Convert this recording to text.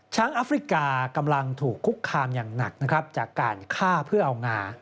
อัฟริกากำลังถูกคุกคามอย่างหนักนะครับจากการฆ่าเพื่อเอางา